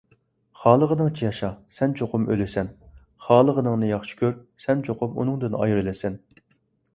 خالىغىنىڭچە ياشا، سەن چوقۇم ئۆلىسەن. خالىغىنىڭنى ياخشى كۆر، سەن چوقۇم ئۇنىڭدىن ئايرىلىسەن.